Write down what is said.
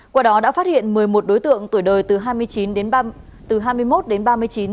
qua đó đã phát hiện một mươi một đối tượng tuổi đời từ hai mươi một đến ba mươi chín